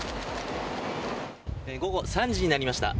午後３時になりました。